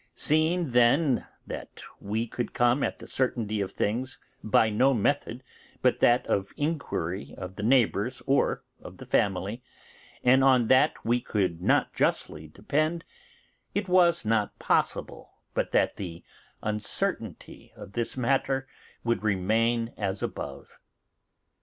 Seeing then that we could come at the certainty of things by no method but that of inquiry of the neighbours or of the family, and on that we could not justly depend, it was not possible but that the uncertainty of this matter would remain as above.